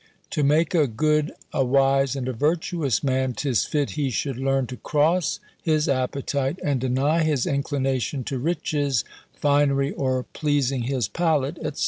To make a good, a wise, and a virtuous man, 'tis fit he should learn to cross his appetite, and deny his inclination to riches, finery, or pleasing his palate, &c."